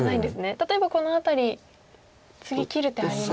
例えばこの辺り次切る手ありますが。